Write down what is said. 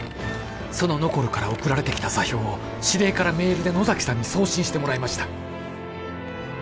そのノコルから送られてきた座標を司令からメールで野崎さんに送信してもらいました